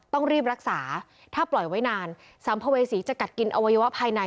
ต้องรีบรักษาถ้าปล่อยไว้นานสัมภเวษีจะกัดกินอวัยวะภายใน